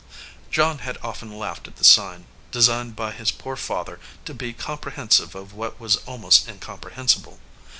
John had often laughed at the sign, designed by his poor father to be comprehensive of what was almost incomprehensible.